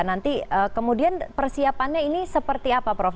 nanti kemudian persiapannya ini seperti apa prof